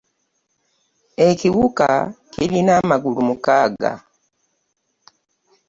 Ekiwuka kirina amagulu mukaaga.